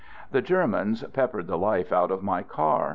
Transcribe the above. The Germans peppered the life out of my car.